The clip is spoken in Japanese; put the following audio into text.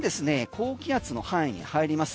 高気圧の範囲に入ります。